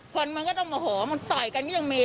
คนมันก็บอกว่าเต่ากันก็ยังมี